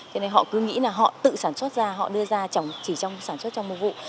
cho nên họ cứ nghĩ là họ tự sản xuất ra họ đưa ra chỉ trong sản xuất trong mùa vụ